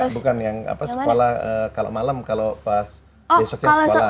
bukan yang sekolah kalau malam kalau pas besoknya sekolah